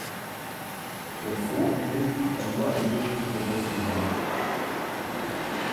Denn so empfindlich kann nur eine wirkliche Prinzessin sein.